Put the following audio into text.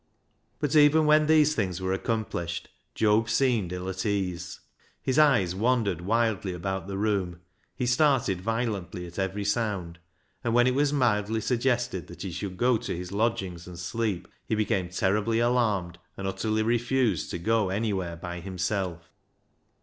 But even when these things were accom plished, Job seemed ill at ease. His eyes wandered wildly about the room ; he started violently at every sound ; and when it was mildly suggested that he should go to his lodgings and sleep, he became terribly alarmed, and utterly refused to go anywhere by himself.